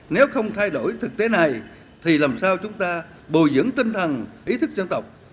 nếu không thay đổi thực tế này thì làm sao chúng ta bồi dưỡng tinh thần ý thức dân tộc